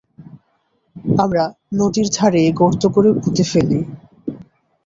আমরা নদীর ধারেই গর্ত করে পুঁতে ফেলি।